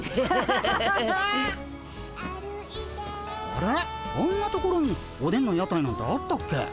あんなところにおでんの屋台なんてあったっけ？